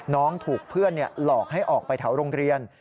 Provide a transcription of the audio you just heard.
น้องถูกเพื่อนหลอกให้ออกไปแถวโรงเรียน